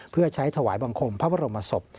เพื่อใช้ถวายบังคมพระบรมศพ